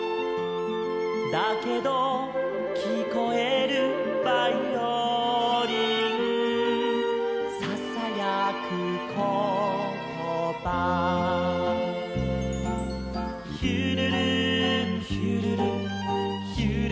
「だけどきこえるバイオリン」「ささやくことば」「ひゅるるんひゅるるひゅるるんひゅるる」